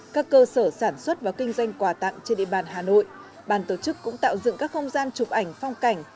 các cơ sở sản xuất và kinh doanh quà tặng trên địa bàn hà nội bàn tổ chức cũng tạo dựng các không gian chụp ảnh phong cảnh